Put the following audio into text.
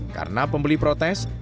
karena pembeli protes